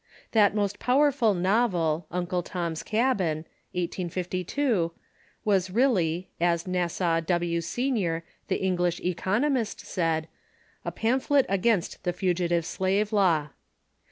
That most powerful novel, " Uncle Tom's Cabin " (1852), was really, as Nassau W. Senior, the English economist, said, a pamphlet against the Fugitive Slave Law.